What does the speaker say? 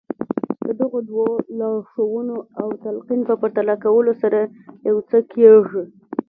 د دغو دوو لارښوونو او تلقين په پرتله کولو سره يو څه کېږي.